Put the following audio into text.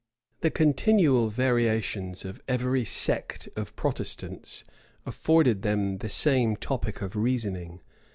The continual variations of every sect of Protestants afforded them the same topic of reasoning.